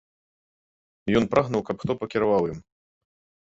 Ён прагнуў, каб хто пакіраваў ім.